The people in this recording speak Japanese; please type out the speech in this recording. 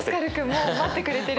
もう待ってくれてる。